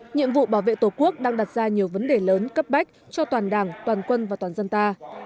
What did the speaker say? nhiệm vụ bảo vệ tổ quốc đang đặt ra nhiều vấn đề lớn cấp bách cho toàn đảng toàn quân và toàn dân ta